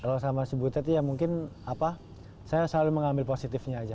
kalau sama si butet ya mungkin apa saya selalu mengambil positifnya aja